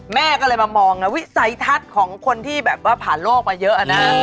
แม่ก็เลยมามองวิสัยทัศน์ของคนที่แบบว่าผ่านโลกมาเยอะนะ